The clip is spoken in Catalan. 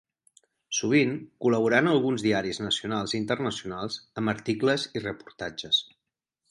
Sovint col·laborà en alguns diaris nacionals i internacionals amb articles i reportatges.